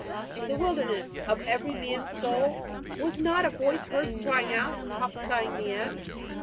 in the wilderness of every man's soul, was not a voice heard crying out, prophesying the end?